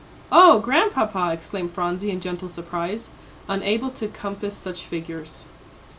"Oh, Grandpapa!" exclaimed Phronsie, in gentle surprise, unable to compass such figures.